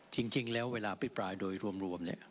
จริงแล้วเวลาพิปรายโดยรวมเนี่ย